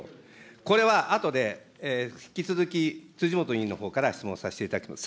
これはあとで引き続き辻元委員のほうから質問させていただきます。